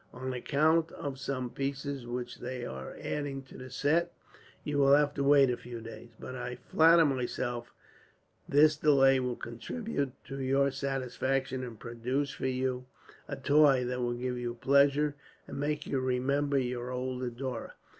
On account of some pieces which they are adding to the set, you will have to wait a few days; but I flatter myself this delay will contribute to your satisfaction, and produce for you a toy that will give you pleasure, and make you remember your old adorer.